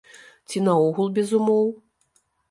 Ці наогул без умоў?